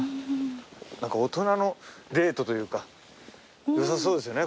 何か大人のデートというか良さそうですよね